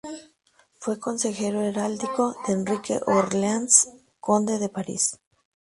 Fue consejero heráldico de Enrique de Orleans, conde de París.